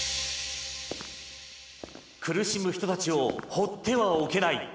苦しむ人たちを放ってはおけない。